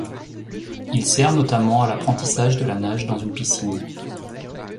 Il sert notamment à l'apprentissage de la nage dans une piscine.